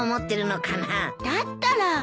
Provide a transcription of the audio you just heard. だったら。